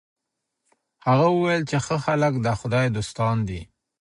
هغه وویل چي ښه خلک د خدای دوستان دي.